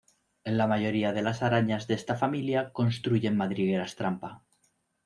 La mayoría de las arañas de esta familia construyen madrigueras trampa.